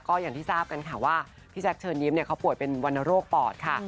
ก็อย่างที่ทราบกันค่ะว่าพี่แจ๊คเชิญยิ้มเขาป่วยเป็นวรรณโรคปอดค่ะ